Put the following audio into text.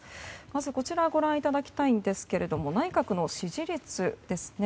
まずこちらをご覧いただきたいんですが内閣の支持率ですね。